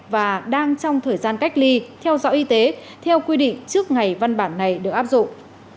và đang trong thời gian cách ly theo dõi y tế theo quy định trước ngày văn bản này được áp dụng